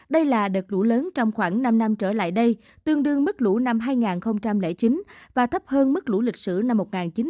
đây là đợt lũ lớn trong khoảng năm năm trở lại đây tương đương mức lũ năm hai nghìn chín và thấp hơn mức lũ lịch sử năm một nghìn chín trăm chín mươi